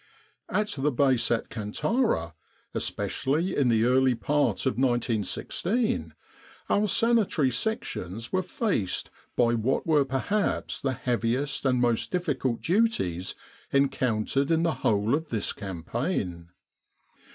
At the Base at Kantara, especially in the early part of 1916, our Sanitary Sections were faced by what were perhaps the heaviest and most difficult duties encountered in the whole of this campaign.